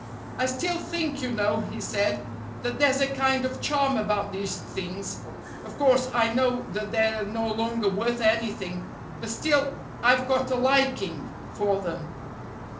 "I still think, you know," he said, "that there's a kind of charm about these things. Of course, I know that they're no longer worth anything, but still I've got a liking for them."